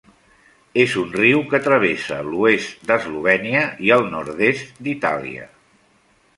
És un riu que travessa l'oest d'Eslovènia i el nord-est d'Itàlia.